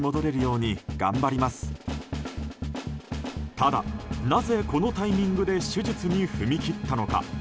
ただ、なぜこのタイミングで手術に踏み切ったのか。